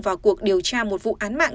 vào cuộc điều tra một vụ án mạng